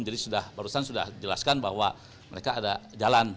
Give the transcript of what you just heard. jadi barusan sudah dijelaskan bahwa mereka ada jalan